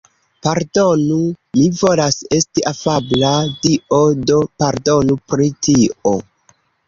Pardonu. Mi volas esti afabla dio, do, pardonu pri tio.